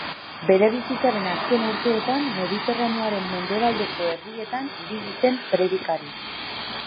Bere bizitzaren azken urteetan Mediterraneoaren mendebaldeko herrietan ibili zen predikari.